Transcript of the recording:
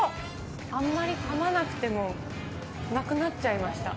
あんまりかまなくてもなくなっちゃいました。